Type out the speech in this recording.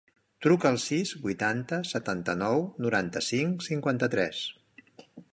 Truca al sis, vuitanta, setanta-nou, noranta-cinc, cinquanta-tres.